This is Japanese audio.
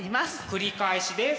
繰り返しです。